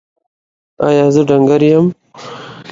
ایا زه ډنګر یم؟